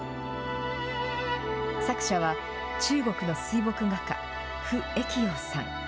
作者は中国の水墨画家、傅益瑤さん。